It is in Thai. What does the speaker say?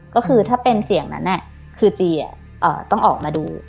ก็คือถ้าเป็นเสียงนั้นเนี่ยคือจีอ่ะอ่อต้องออกมาดู